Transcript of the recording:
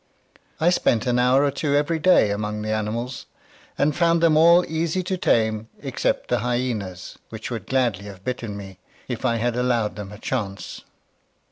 I spent an hour or two every day among the animals, and found them all easy to tame except the hyenas, which would gladly have bitten me if I had allowed them a chance.